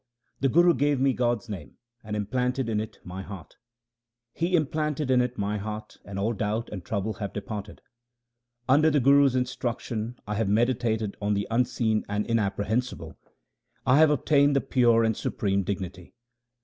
The Guru gave me God's name, and implanted it in my heart : He implanted it in my heart, and all doubt and trouble have departed. Under the Guru's instruction I have meditated on the Unseen and Inapprehensible ; I have obtained the pure and supreme dignity.